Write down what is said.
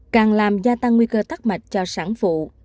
càng làm gia tăng nguy cơ tắc mạch cho sản phụ